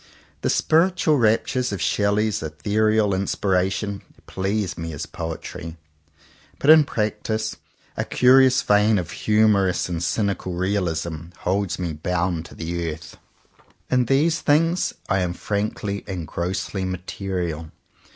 The spiritual raptures of Shelley's ethereal in spiration please me as poetry, but in practice a curious vein of humourous and cynical realism holds me bound to the earth. 61 CONFESSIONS OF TWO BROTHERS In these things I am frankly and grossly material.